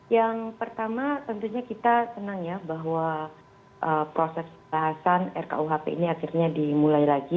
yang pertama tentunya kita senang ya bahwa proses pembahasan rkuhp ini akhirnya dimulai lagi